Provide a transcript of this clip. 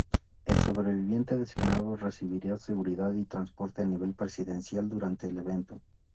El sobreviviente designado recibirá seguridad y transporte a nivel presidencial durante el evento.